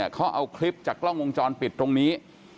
เขาเอาคลิปจากกล้องวงจรปิดตรงนี้